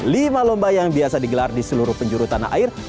lima lomba yang biasa digelar di seluruh penjuru tanah air